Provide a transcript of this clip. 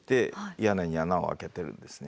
屋根に穴を空けてるんですね。